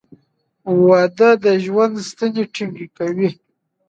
• واده د ژوند ستنې ټینګې کوي.